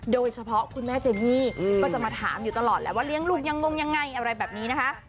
คุณแม่เจนี่ก็จะมาถามอยู่ตลอดแหละว่าเลี้ยงลูกยังงงยังไงอะไรแบบนี้นะคะ